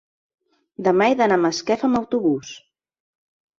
demà he d'anar a Masquefa amb autobús.